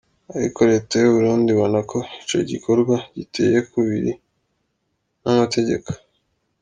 Ariko leta y'u Burundi ibona ko ico gikorwa giteye kubiri n'amategeko.